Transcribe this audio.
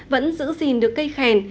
vẫn giữ gìn được cây khen